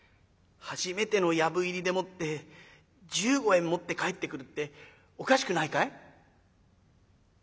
初めての藪入りでもって１５円持って帰ってくるっておかしくないかい？」。